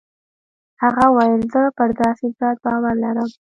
هغه وويل زه پر داسې ذات باور لرم.